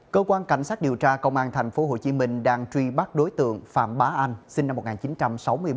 cơ quan cảnh sát điều tra công an tp hcm đang truy bắt đối tượng phạm bá anh sinh năm một nghìn chín trăm sáu mươi ba